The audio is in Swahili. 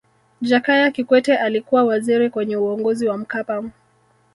jakaya kikwete alikuwa waziri kwenye uongozi wa mkapa